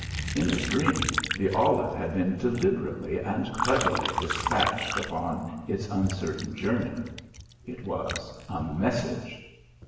In his dream the olive had been deliberately and cleverly dispatched upon its uncertain journey. It was a message.